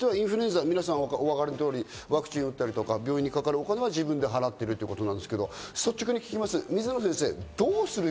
違いとしてはインフルエンザ、皆さん、お分かりの通り、ワクチンを打ったりとか、病院にかかるお金は自分で払っているということですけど、率直に聞きます。